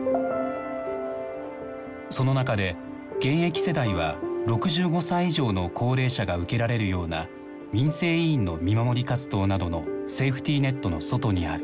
その中で現役世代は６５歳以上の高齢者が受けられるような民生委員の見守り活動などのセーフティーネットの外にある。